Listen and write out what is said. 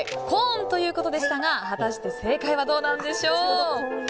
コーンということでしたが果たして正解はどうなんでしょう。